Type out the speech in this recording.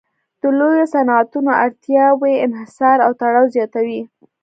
د لویو صنعتونو اړتیاوې انحصار او تړاو زیاتوي